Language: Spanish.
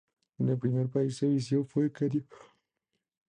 El primer país que visitó fue Kenia.